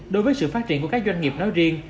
đối với sự phát triển của các doanh nghiệp nói riêng